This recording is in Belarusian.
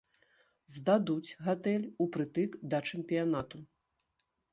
Здадуць гатэль упрытык да чэмпіянату.